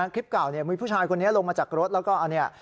คลิปเก่าเนี่ยมีผู้ชายคนนี้ลงมาจากรถแล้วก็อันนี้